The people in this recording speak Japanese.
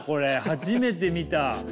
初めて見た。